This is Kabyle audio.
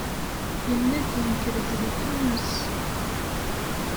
Yenna-d yenker-d deg Tunes.